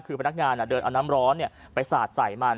คือพนักงานเดินเอาน้ำร้อนไปสาดใส่มัน